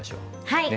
はい。